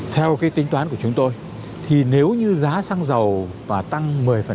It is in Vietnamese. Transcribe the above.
theo cái tính toán của chúng tôi thì nếu như giá xăng dầu và tăng một mươi